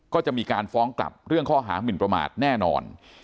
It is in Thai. ก็จะมีการฟ้องกลับเรื่องข้อหามินประมาทแน่นอน